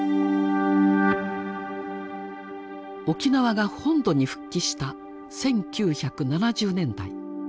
沖縄が本土に復帰した１９７０年代。